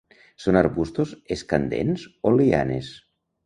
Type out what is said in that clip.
Són arbustos escandents o lianes.